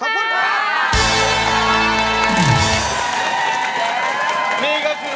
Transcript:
ร้องได้ให้ร้อง